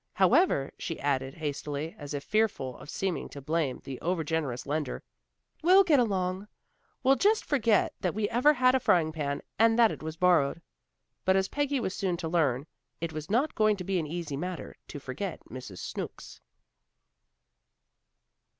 However," she added hastily, as if fearful of seeming to blame the over generous lender, "we'll get along. Well just forget that we ever had a frying pan, and that it was borrowed." But, as Peggy was soon to learn, it was not going to be an easy matter to forget Mrs. Snooks.